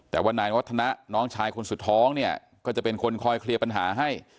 แต่ว่านายวัฒนะน้องชายคนสุดท้องเนี่ยก็จะเป็นคนคอยเคลียร์ปัญหาให้